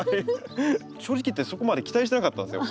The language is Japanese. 正直言ってそこまで期待してなかったんですよ。